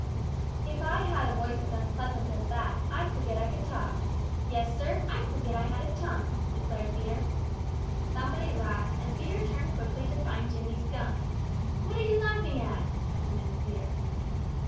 "If I had a voice as unpleasant as that, I'd forget I could talk. Yes, Sir, I'd forget I had a tongue," declared Peter. Somebody laughed, and Peter turned quickly to find Jimmy Skunk. "What are you laughing at?" demanded Peter.